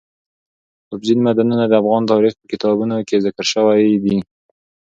اوبزین معدنونه د افغان تاریخ په کتابونو کې ذکر شوی دي.